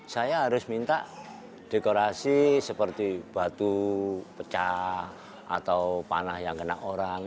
saya harus minta dekorasi seperti batu pecah atau panah yang kena orang